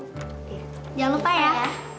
jangan lupa ya